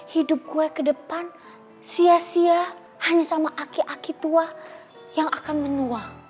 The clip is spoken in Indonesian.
hidup gue ke depan sia sia hanya sama aki aki tua yang akan menua